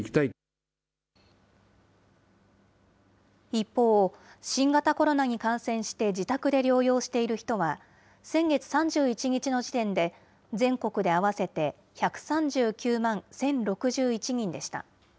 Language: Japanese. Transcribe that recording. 一方、新型コロナに感染して自宅で療養している人は、先月３１日の時点で、全国で合わせて１３９万１０６１人でした。